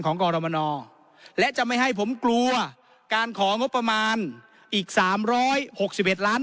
กรมนและจะไม่ให้ผมกลัวการของงบประมาณอีก๓๖๑ล้าน